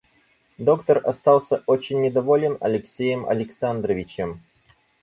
Доктор остался очень недоволен Алексеем Александровичем.